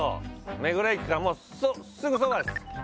目黒駅からもうすぐそばです